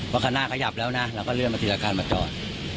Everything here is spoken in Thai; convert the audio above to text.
ว่าขนาดขยับแล้วน่ะเราก็เลื่อนบัตรศิลป์การมาจอด